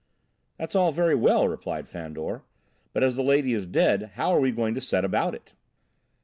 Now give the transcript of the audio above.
"That's all very well," replied Fandor, "but as the lady is dead, how are we going to set about it?"